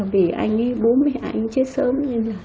vì anh ấy bố mẹ anh ấy chết sớm